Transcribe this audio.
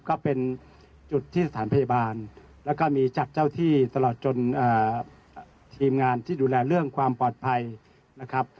ก็เป็นจุดที่สถานพยาบาลแล้วก็มีจัดเจ้าที่ตลอดจนทีมงานที่ดูแลเรื่องความปลอดภัยนะครับ